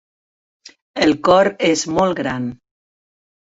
El cor és molt gran.